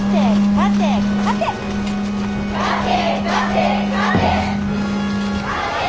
勝て勝て勝て。